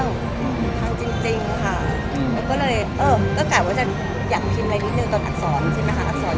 ผล่งเครื่องบนความจริงจริงค่ะเออก็เลยเอ้อก็กลายว่าจะอยากพิมพ์อะไรนิดนึงตอนอักษรใช่ไหมครับอักษรย่อ